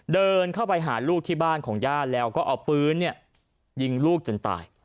เดินเข้าไปหาลูกที่บ้านของย่าแล้วก็เอาปืนยิงลูกจนตาย